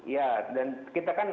ya dan kita kan